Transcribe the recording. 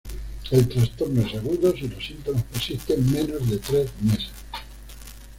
El trastorno es agudo si los síntomas persisten menos de tres meses.